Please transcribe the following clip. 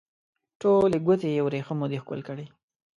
ټولې ګوتې یې وریښمو دي ښکل کړي